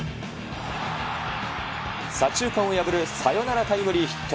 左中間を破るサヨナラタイムリーヒット。